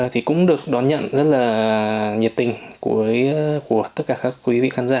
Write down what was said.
thì cũng được đón nhận rất là nhiệt tình của tất cả các quý vị khán giả